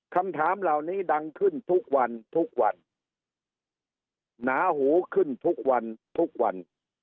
คำถามเหล่านี้ดังขึ้นทุกวันทุกวันหนาหูขึ้นทุกวันทุกวัน